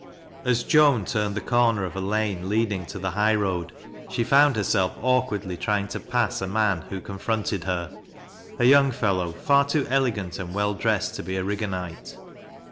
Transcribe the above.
As Joan t irned the corner of a lane leading .o the high road, she found herself awkwardly trying to pass a mar who confronted her — a young fellow far too elegant and well dressed to be a Rigganite.